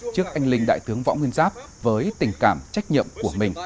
trước anh linh đại tướng võ nguyên giáp với tình cảm trách nhiệm của mình